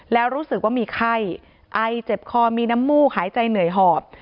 แล้วรู้สึกว่ามีไข้ไอเจ็บคอมีน้ำมูกหายใจเหนื่อยหอบ